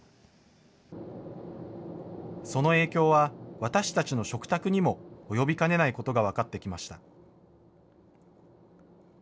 その影響は、私たちの食卓にも及びかねないことが分かってきました。